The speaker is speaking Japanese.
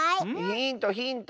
ヒントヒント！